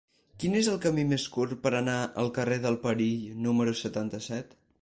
Quin és el camí més curt per anar al carrer del Perill número setanta-set?